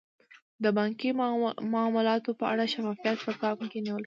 د بانکي معاملاتو په اړه شفافیت په پام کې نیول کیږي.